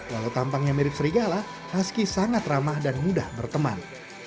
walau tampaknya mirip serigala haski sangat ramah dan mudah berteman